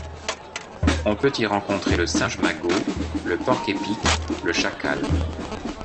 On peut y rencontrer le singe magot, le porc-épic, le chacal...